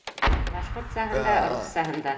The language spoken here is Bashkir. Башҡортсаһын да, рус-саһын да.